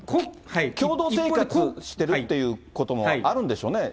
共同生活してるということもあるんでしょうね。